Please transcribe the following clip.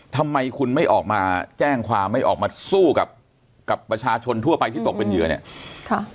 ทำไมคุณไม่ออกมาแจ้งความไม่ออกมาสู้กับกับประชาชนทั่วไปที่ตกเป็นเหยื่อเนี่ยค่ะ